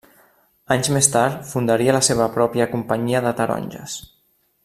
Anys més tard fundaria la seva pròpia companyia de taronges.